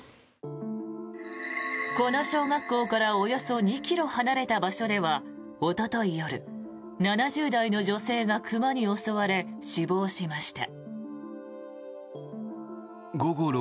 この小学校からおよそ２ｋｍ離れた場所ではおととい夜、７０代の女性が熊に襲われ死亡しました。